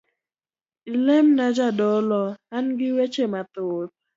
Ilemina jadolo, angi weche mathoth.